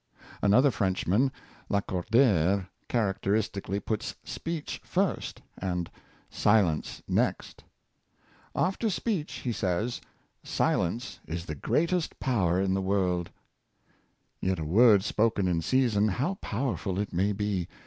Another Frenchman, Lacordaire, character istically puts speech first, and silence next. " After 484 The Expression of Indignation. speech," he says, " silence is the greatest power in the world." Yet a word spoken in season, how powerful it may be!